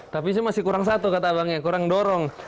tapi ini masih kurang satu kata abangnya kurang mendorong